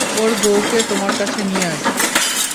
ওর বউকে তোমার কাছে নিয়ে আসব।